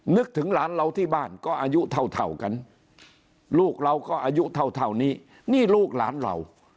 นึกถึงหลานเราที่บ้านก็อายุเท่ากันลูกเราก็อายุเท่านี้นี่ลูกหลานเรา